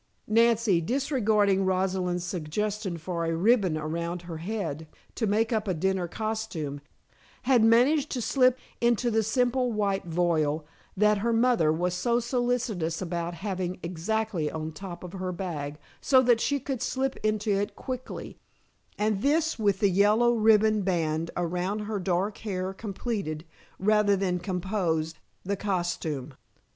Nancy, disregarding Rosalind's suggestion for a ribbon around her head to make up a dinner costume, had managed to slip into the simple white voile that her mother was so solicitous about having exactly on top of her bag, so that she could slip into it quickly, and this with the yellow ribbon band around her dark hair completed, rather than composed, the costume.